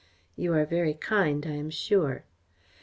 "You are very kind, I am sure."